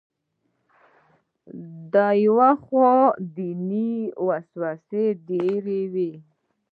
دا له یوې خوا دنیوي وسوسې ډېروي.